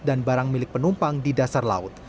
dan barang milik penumpang di dasar laut